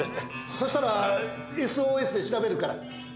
そしたらＳＯＳで調べるから。